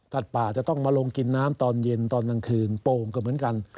ป่าจะต้องมาลงกินน้ำตอนเย็นตอนกลางคืนโป่งก็เหมือนกัน